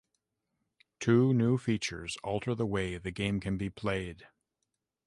Two new features alter the way the game can be played.